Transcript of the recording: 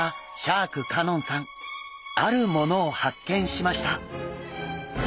あるものを発見しました。